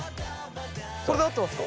これで合ってますか？